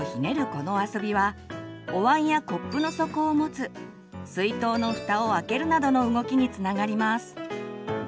この遊びはおわんやコップの底を持つ水筒のふたを開けるなどの動きにつながります。